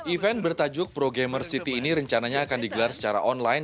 event bertajuk pro gamer city ini rencananya akan digelar secara online